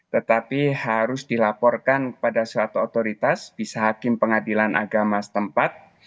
tetapi harus dilaporkan pada suatu otoritas bisa hakim pengadilan agama setempat